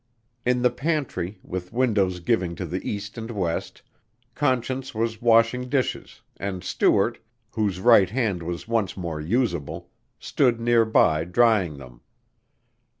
In the pantry, with windows giving to the east and west, Conscience was washing dishes and Stuart, whose right hand was once more usable, stood nearby drying them.